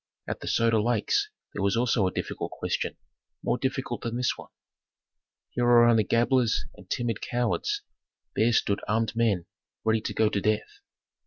"At the Soda Lakes there was also a difficult question, more difficult than this one. Here are only gabblers and timid cowards; there stood armed men ready to go to death.